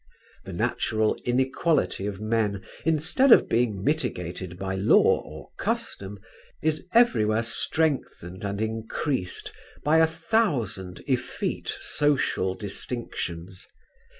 The natural inequality of men instead of being mitigated by law or custom is everywhere strengthened and increased by a thousand effete social distinctions.